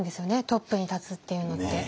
トップに立つっていうのって。